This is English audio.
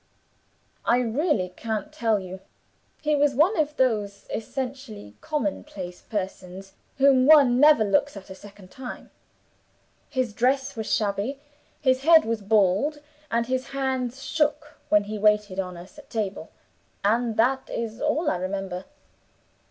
"I really can't tell you; he was one of those essentially commonplace persons, whom one never looks at a second time. His dress was shabby, his head was bald, and his hands shook when he waited on us at table and that is all I remember.